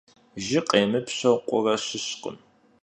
Jı khêmıpşeu khure sıskhım.